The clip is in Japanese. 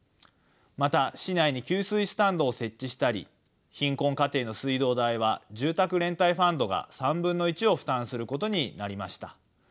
また市内に給水スタンドを設置したり貧困家庭の水道代は住宅連帯ファンドが３分の１を負担することになりました。